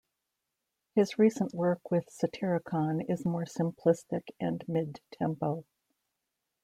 His recent work with Satyricon is more simplistic and mid-tempo.